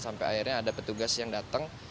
sampai akhirnya ada petugas yang datang